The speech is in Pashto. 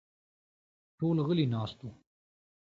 ټول غلي ناست وو.